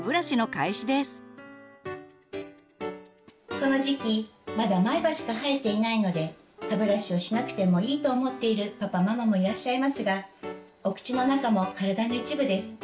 この時期まだ前歯しか生えていないので歯ブラシをしなくてもいいと思っているパパママもいらっしゃいますがお口の中も体の一部です。